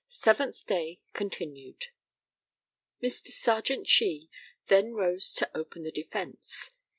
(Seventh Day Continued.) Mr. Serjeant SHEE then rose to open the defence.